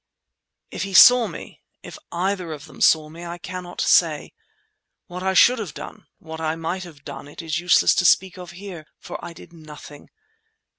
If he saw me, if either of them saw me, I cannot say. What I should have done, what I might have done it is useless to speak of here—for I did nothing.